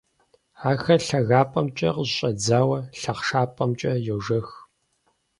Ахэр лъагапӀэмкӀэ къыщыщӀэдзауэ лъахъшапӀэмкӀэ йожэх.